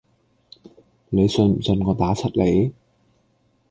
你信唔信我打柒你？